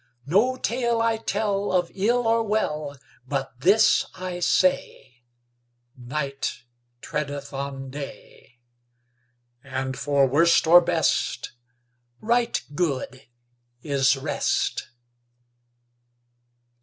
No tale I tell Of ill or well, But this I say: Night treadeth on day, And for worst or best Right good is rest.